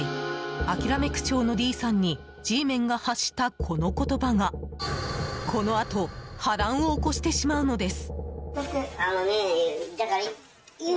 諦め口調のＤさんにＧメンが発したこの言葉がこのあと波乱を起こしてしまうのです。